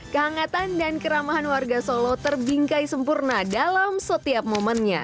kehangatan dan keramahan warga solo terbingkai sempurna dalam setiap momennya